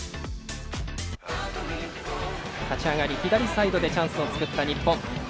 立ち上がり、左サイドでチャンスを作った日本。